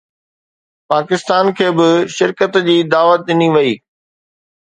پاڪستان کي به شرڪت جي دعوت ڏني وئي